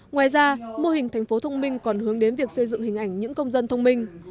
ngoài ra mô hình thành phố thông minh còn hướng đến việc xây dựng hình ảnh những công dân thông minh